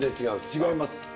違います。